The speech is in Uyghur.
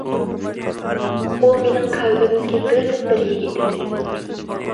ئۇ مىنىڭ قەلبىمدىكى بىردىنبىر يىگىت ئىدى.